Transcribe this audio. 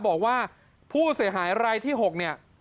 บอกว่าผู้เสียหายรายที่๖เนี่ย